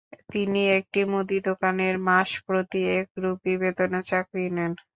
তিনি একটি মুদি দোকানে মাসপ্রতি এক রুপি বেতনে চাকরি নেন।